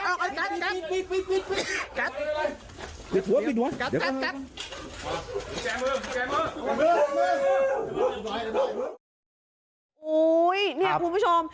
โอ้โหเนี่ยคุณผู้ชม